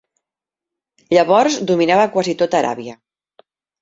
Llavors dominava quasi tota Aràbia.